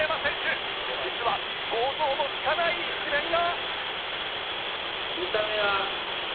実は想像もつかない一面が